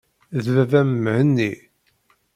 D baba-m Mhenni.